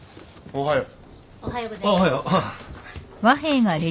おはよう。